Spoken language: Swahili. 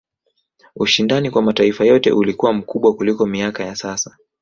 ushindani kwa mataifa yote ulikuwa mkubwa kuliko miaka ya sasa